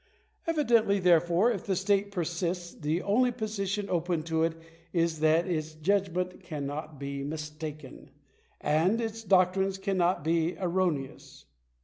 Evidently, therefore, if the state persists, the only position open to it is that its judgment dannot be mistaken — that its doctrines cannot be erroneous.